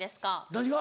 何が？